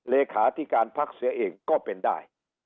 เลขาธิการพักเสียเองก็เป็นได้